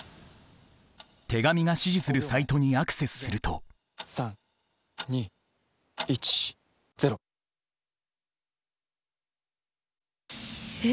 手紙が指示するサイトにアクセスすると３２１０。え。